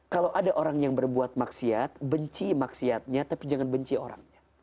kalau ada orang yang berbuat maksiat benci maksiatnya tapi jangan benci orangnya